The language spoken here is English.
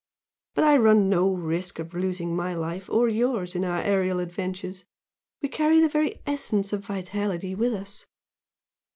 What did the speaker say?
But I run no risk of losing my life or yours in our aerial adventures; we carry the very essence of vitality with us.